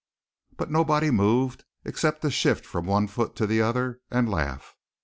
But nobody moved, except to shift from one foot to the other and laugh.